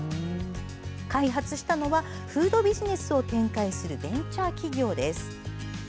開発したのはフードビジネスを展開するベンチャー企業です。